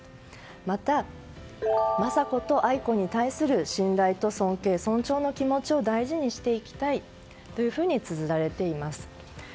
また、雅子と愛子に対する信頼と尊敬・尊重の気持ちを大事にしていきたいとつづられています。